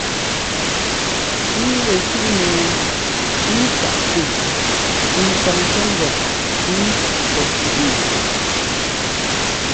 Pʉ́ʉ lɛ́ shʉ́ꞌnɛ ɛɛ pʉ́ʉ sáꞌ kú ŋ kwaŋɛ ŋgɔ pʉ́ʉ pɔ́ shʉ́ꞌnɛ.